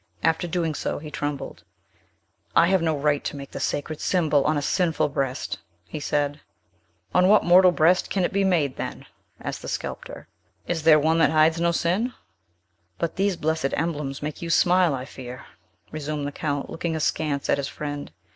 After doing so he trembled. "I have no right to make the sacred symbol on a sinful breast!" he said. "On what mortal breast can it be made, then?" asked the sculptor. "Is there one that hides no sin?" "But these blessed emblems make you smile, I fear," resumed the Count, looking askance at his friend.